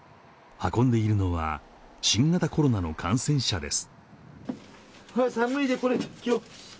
運んでいるのは新型コロナの感染者です